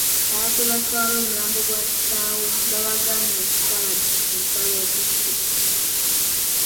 Ababadde batwala omulambo gwa kitaabwe babagaanyi okusala ensalo ya disitulikiti.